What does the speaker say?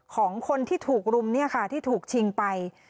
ของคนที่ถูกรุมที่ถูกชิงไป